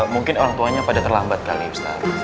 mungkin orang tuanya pada terlambat kali ustadz